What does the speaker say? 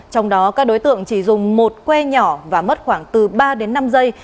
trong đó các đối tượng chỉ dùng một que nhỏ và mất khoảng từ ba đến năm giây